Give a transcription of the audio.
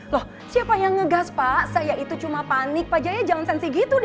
loh siapa yang ngegas pak saya itu cuma panik pak jaya jangan sensi gitu deh